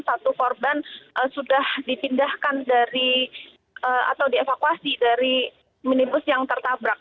satu korban sudah dipindahkan dari atau dievakuasi dari minibus yang tertabrak